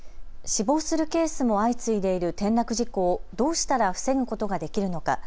死亡するケースも相次いでいる転落事故をどうしたら防ぐことができるのか。